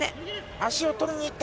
足を取りにいった。